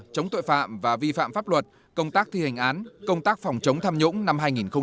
chống tội phạm và vi phạm pháp luật công tác thi hành án công tác phòng chống tham nhũng năm hai nghìn một mươi chín